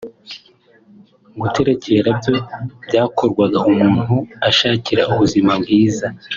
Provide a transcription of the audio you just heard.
Guterekera byo byakorwaga umuntu ashakira ubuzima bwiza